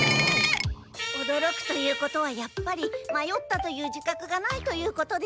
おどろくということはやっぱり迷ったという自覚がないということでしょう。